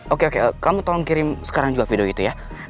oke oke kamu tolong kirim sekarang juga video itu ya